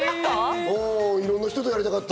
いろんな人とやりたかった。